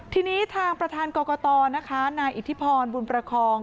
ทีนี้ทางประธานกรกตนะคะนายอิทธิพรบุญประคอง